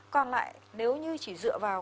còn lại nếu như chỉ dựa vào